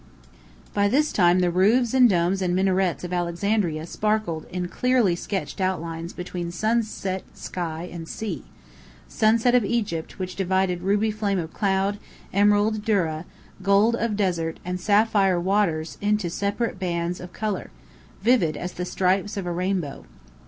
By this time the roofs and domes and minarets of Alexandria sparkled in clearly sketched outlines between sunset sky and sea; sunset of Egypt, which divided ruby flame of cloud, emerald dhurra, gold of desert, and sapphire waters into separate bands of colour, vivid as the stripes of a rainbow.